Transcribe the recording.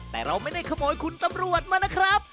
แต่เราไม่ได้ขโมยคุณตำรวจมานะครับ